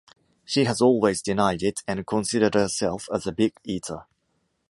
She has always denied it and considered herself as a big eater.